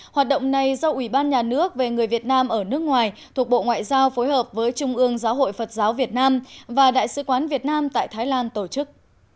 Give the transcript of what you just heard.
hoạt động này do ủy ban nhà nước về người việt nam ở nước ngoài thuộc bộ ngoại giao phối hợp với trung ương giáo hội phật giáo việt nam và đại sứ quán việt nam tại thái lan tổ chức